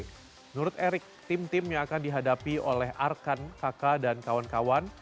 menurut erick tim tim yang akan dihadapi oleh arkan kakak dan kawan kawan